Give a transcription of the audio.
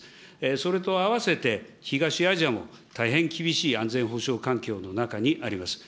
それと合わせて、東アジアも大変厳しい安全保障環境の中にあります。